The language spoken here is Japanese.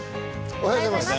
おはようございます。